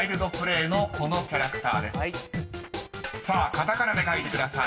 ［カタカナで書いてください］